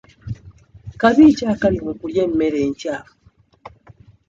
Kabi ki akali mu kulya emmere enkyafu?